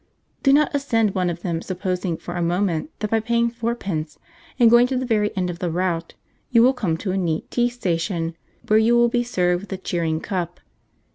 Do not ascend one of them supposing for a moment that by paying fourpence and going to the very end of the route you will come to a neat tea station, where you will be served with the cheering cup.